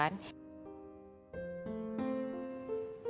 apa yang menarik dari hidupmu